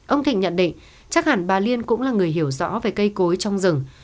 ông thịnh nhận định chắc hẳn bà liên cũng là người hiểu rõ về cây cối trong rừng